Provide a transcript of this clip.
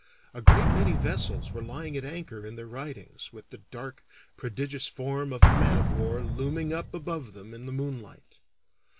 A great many vessels were lying at anchor in their ridings, with the dark, prodigious form of a man of war looming up above them in the moonlight.